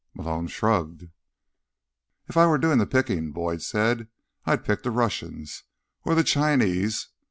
Malone shrugged. "If I were doing the picking," Boyd said, "I'd pick the Russians. Or the Chinese.